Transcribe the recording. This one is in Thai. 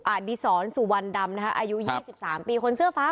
อาดิศรสุวรรค์ดำนะฮะอายุยี่สิบสามปีคนเสื้อฟ้า